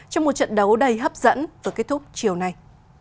trong một trận đấu đầy hấp dẫn vừa kết thúc chiều nay